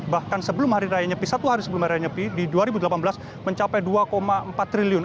bahkan sebelum hari raya nyepi satu hari sebelum hari raya nyepi di dua ribu delapan belas mencapai dua empat triliun